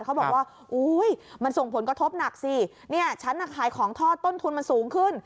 เขาบอกว่าอุ้ยมันส่งผลกระทบหนักสิเนี่ยฉันน่ะขายของทอดต้นทุนมันสูงขึ้น